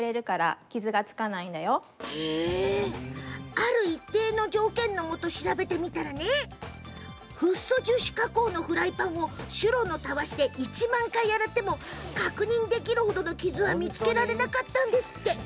ある一定の条件のもと調べてみたらフッ素樹脂加工のフライパンをシュロのたわしで１万回洗っても傷は見つけられなかったんですって。